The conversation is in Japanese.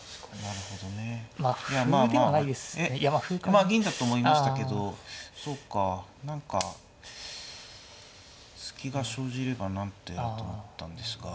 まあ銀だと思いましたけどそうか何か隙が生じればなんてと思ったんですが。